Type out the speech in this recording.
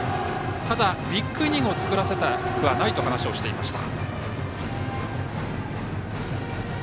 ただ、ビッグイニングを作らせたくはないと話をしていました。